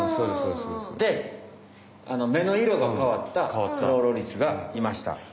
で目の色が変わったスローロリスがいました。